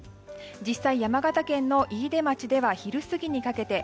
実際、山形県の飯豊町では昼過ぎにかけて。